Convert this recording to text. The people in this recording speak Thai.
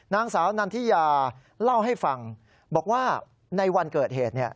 นางสาวนันทิยาเล่าให้ฟังบอกว่าในวันเกิดเหตุ